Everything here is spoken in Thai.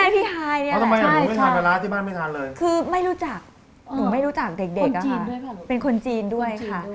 ท่านไม่รู้จักไม่รูยังเด็กเป็นคนจีนด้วยค่ะ